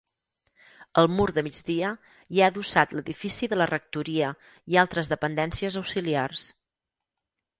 Al mur de migdia hi ha adossat l'edifici de la rectoria i altres dependències auxiliars.